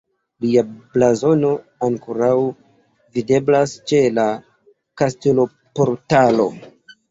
Lia blazono ankoraŭ videblas ĉe la kasteloportalo.